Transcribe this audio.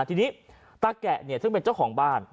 ทีนี้ตาแกะเนี่ยซึ่งเป็นเจ้าของบ้าน